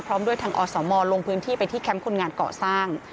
พร้อมด้วยทางอสมลงพื้นที่ไปที่แคมป์คนงานก่อสร้าง